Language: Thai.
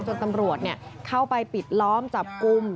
จนตำรวจเข้าไปปิดล้อมจับกลุ่ม